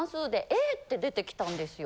って出てきたんですよ。